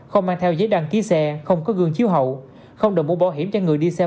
không mang theo giấy đăng ký xe không có gương chiếu hậu không đổi mũ bảo hiểm cho người đi xe